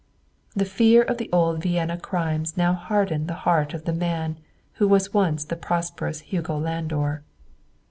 The fear of the old Vienna crimes now hardened the heart of the man who was once the prosperous Hugo Landor.